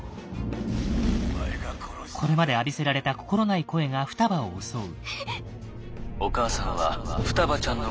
これまで浴びせられた心ない声が双葉を襲う。